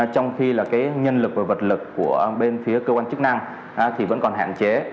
trong khi là cái nhân lực và vật lực của bên phía cơ quan chức năng thì vẫn còn hạn chế